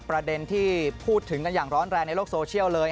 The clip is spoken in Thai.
ประเด็นที่พูดถึงกันอย่างร้อนแรงในโลกโซเชียลเลย